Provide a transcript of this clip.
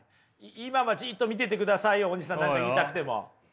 今はじっと見ててくださいよ大西さん。何か言いたくても。